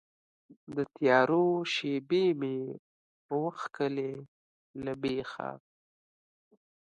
د تیارو شیبې مې وکښلې له بیخه